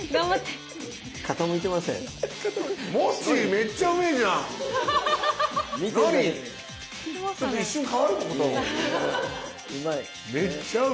めっちゃうまい！